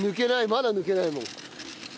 まだ抜けないもん。